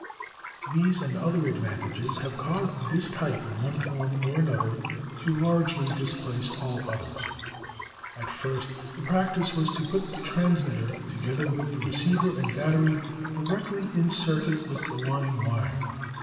These and other advantages have caused this type in one form or another to largely displace all others. At first the practice was to put the transmitter, together with the receiver and battery, directly in circuit with the line wire.